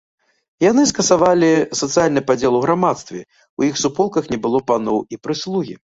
Яны скасавалі сацыяльны падзел у грамадстве, у іх суполках не было паноў і прыслугі.